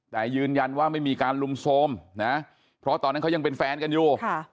แต่ยืนยันว่าไม่มีการลุมโทรมนะเพราะตอนนั้นเขายังเป็นแฟนกันอยู่